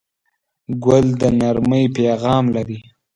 ګل د نرمۍ پیغام لري.